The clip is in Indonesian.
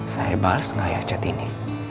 saya bales gak ya cat ini